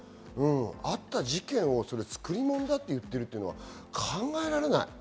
あった事件を作り物だって言っているのは考えられない。